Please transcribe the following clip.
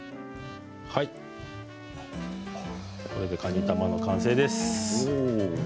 これで、かにたまの完成です。